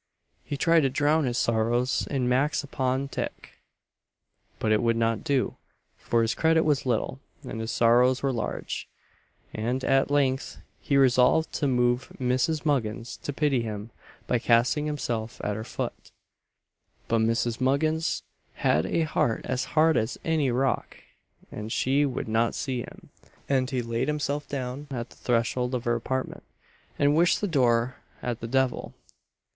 He tried to drown his sorrows in max upon tick, but it would not do; for his credit was little, and his sorrows were large, and at length he resolved to move Mrs. Muggins to pity him by casting himself at her foot. But Mrs. Muggins had a heart as hard as any rock, and she would not see him; and he laid himself down at the threshold of her apartment, and wished the door at the devil!